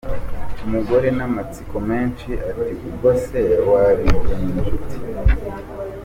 Umugore n’amatsiko menshi ati “ubwose wabigenje ute?".